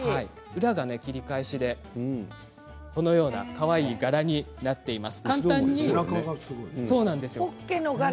裏が切り返しでかわいい柄になっています。